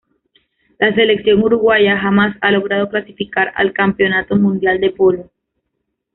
La selección uruguaya jamás ha logrado clasificar al Campeonato Mundial de Polo.